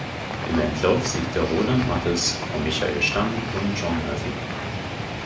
Im Endlauf siegte Roland Matthes vor Michael Stamm und John Murphy.